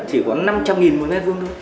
chỉ khoảng năm trăm linh một m hai